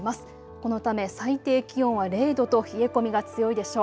このため最低気温は０度と冷え込みが強いでしょう。